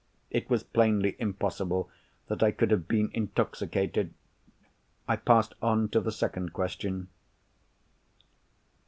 It was plainly impossible that I could have been intoxicated. I passed on to the second question.